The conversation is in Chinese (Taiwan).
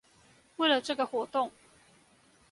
為了這個活動